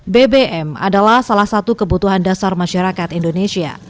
bbm adalah salah satu kebutuhan dasar masyarakat indonesia